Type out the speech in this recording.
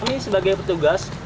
kami sebagai petugas